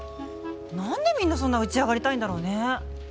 なんでみんなそんな打ち上がりたいんだろうね。